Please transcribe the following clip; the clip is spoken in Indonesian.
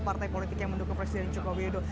partai politik yang mendukung presiden joko widodo